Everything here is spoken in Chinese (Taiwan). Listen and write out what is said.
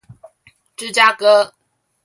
芝加哥